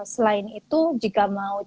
selain itu jika mau